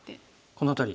この辺り？